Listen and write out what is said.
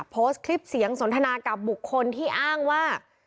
โพสต์คลิปเสียงสนทนากับบุคคลที่อ้างว่า